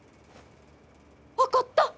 分かった！